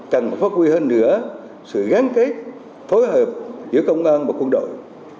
cần phát huy hơn nữa sự gắn kết phối hợp giữa công an và quân đội